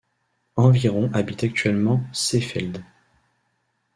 Environ habitent actuellement Seefeld.